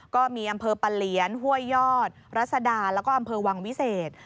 ก็มีอำเภอปะเหลียนห้วยยอดรัศดาแล้วก็อำเภอวังวิเศษ